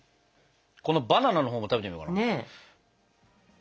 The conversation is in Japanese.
このバナナのほうも食べてみようかな。